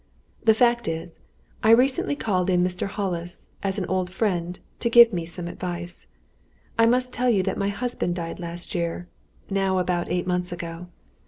The fact is, I recently called in Mr. Hollis, as an old friend, to give me some advice. I must tell you that my husband died last year now about eight months ago.